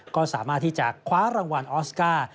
ก็สามารถที่จะคว้ารางวัลออสการ์